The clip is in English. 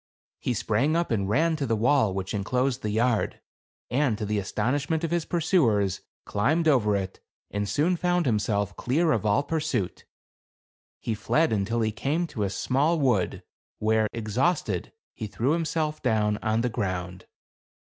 He sprang up, and ran to the wall which inclosed the yard ; and to the astonishment of his pursuers, climbed over it, and soon found himself clear of all pur suit. He fled until he came to a small wood, where, exhausted, he threw himself down on the ground.